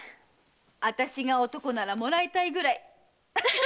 私が男ならもらいたいぐらい。